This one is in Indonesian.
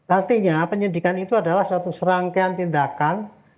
artinya penyidikan itu adalah suatu serangkaian tindakan